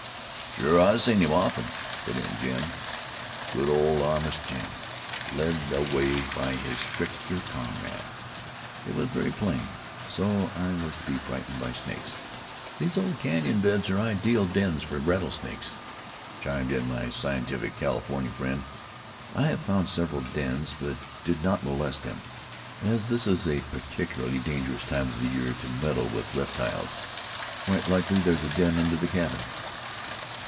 "Shore I seen him often," put in Jim. Good, old, honest Jim, led away by his trickster comrade! It was very plain. So I was to be frightened by snakes. "These old canyon beds are ideal dens for rattle snakes," chimed in my scientific California friend. "I have found several dens, but did not molest them as this is a particularly dangerous time of the year to meddle with the reptiles. Quite likely there's a den under the cabin."